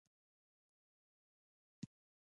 هغه میز باندې چې موږ ورته ناست وو